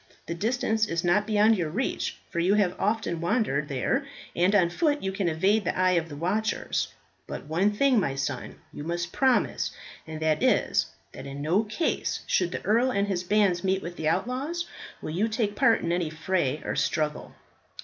The distance is not beyond your reach, for you have often wandered there, and on foot you can evade the eye of the watchers; but one thing, my son, you must promise, and that is, that in no case, should the Earl and his bands meet with the outlaws, will you take part in any fray or struggle."